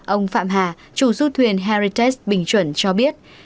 ông phạm hà chủ du thuyền heritex bình chuẩn cho biết